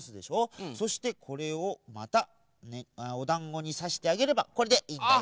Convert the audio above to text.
そしてこれをまたおだんごにさしてあげればこれでいいんだよ。